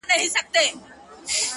له خوب چي پاڅي ـ توره تياره وي ـ